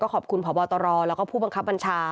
ขอบคุณพบตรแล้วก็ผู้บังคับบัญชา